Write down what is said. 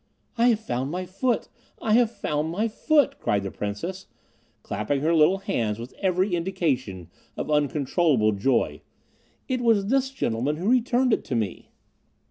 "I have found my foot I have found my foot!" cried the Princess, clapping her little hands, with every indication of uncontrollable joy. "It was this gentleman who returned it to me."